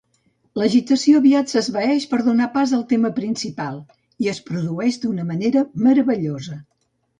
L'agitació aviat s'esvaeix per donar pas al tema principal, i es produeix d'una manera meravellosa.